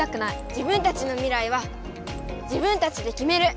自分たちの未来は自分たちできめる！